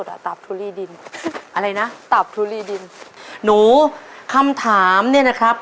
แต่ตับทุลีดินอะไรนะตับทุลีดินหนูคำถามเนี่ยนะครับ